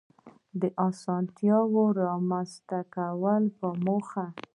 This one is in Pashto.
د آسانتیاوو رامنځته کولو په موخه